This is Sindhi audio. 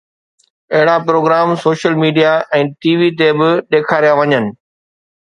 اهڙا programme social media ۽ T V تي به ڏيکاريا وڃن